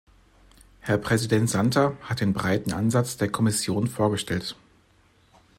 Herr Präsident Santer hat den breiten Ansatz der Kommission vorgestellt.